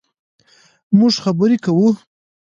مونږ خبرې کوو